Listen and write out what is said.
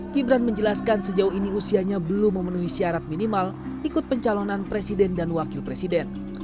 gibran menjelaskan sejauh ini usianya belum memenuhi syarat minimal ikut pencalonan presiden dan wakil presiden